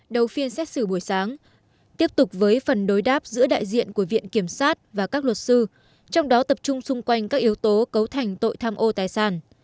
đầu phiên xét xử buổi sáng tiếp tục với phần đối đáp giữa đại diện của viện kiểm sát và các luật sư trong đó tập trung xung quanh các yếu tố cấu thành tội tham ô tài sản